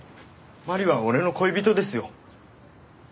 麻里は俺の恋人ですよ。